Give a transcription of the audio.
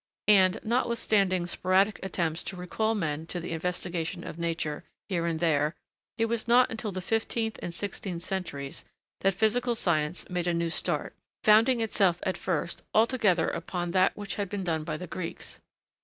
And, notwithstanding sporadic attempts to recall men to the investigation of nature, here and there, it was not until the fifteenth and sixteenth centuries that physical science made a new start, founding itself, at first, altogether upon that which had been done by the Greeks.